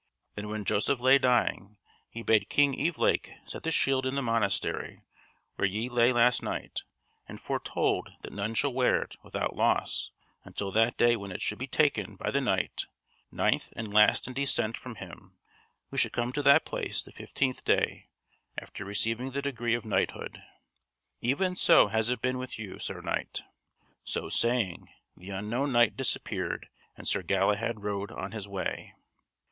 Then when Joseph lay dying, he bade King Evelake set the shield in the monastery where ye lay last night, and foretold that none should wear it without loss until that day when it should be taken by the knight, ninth and last in descent from him, who should come to that place the fifteenth day after receiving the degree of knighthood. Even so has it been with you, Sir Knight." So saying, the unknown knight disappeared and Sir Galahad rode on his way.